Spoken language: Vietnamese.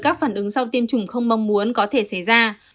các phản ứng sau tiêm chủng không mong muốn có thể xảy ra